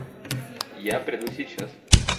Я приду сейчас.